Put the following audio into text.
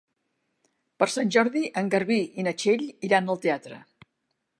Per Sant Jordi en Garbí i na Txell iran al teatre.